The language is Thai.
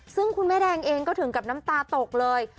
ซึ่งคุณแม่แดงเองก็ถึงกับน้ำตาตกเลย